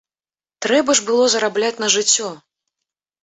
Трэба ж было зарабляць на жыццё.